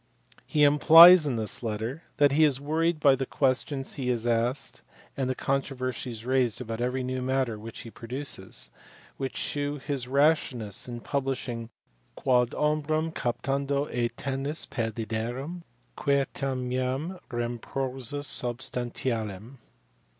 He implies in this letter that he is worried by the questions he is asked and the controversies raised about every new matter which he produces, which shew his rashness in publishing " quod umbram captando eatenus perdideram quietem meam, rern prorsus substantialem."